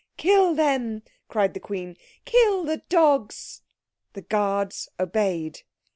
"Kill them," cried the Queen. "Kill the dogs!" The guards obeyed.